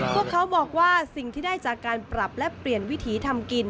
พวกเขาบอกว่าสิ่งที่ได้จากการปรับและเปลี่ยนวิถีทำกิน